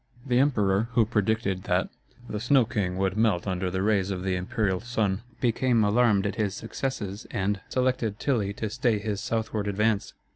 The emperor, who had predicted that "the Snow king would melt under the rays of the Imperial sun," became alarmed at his successes and selected Tilly to stay his southward advance.